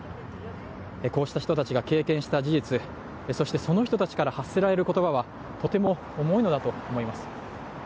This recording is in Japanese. こうした人たちが経験した事実、そして、その人たちから発せられる言葉はとても重いのだと思います。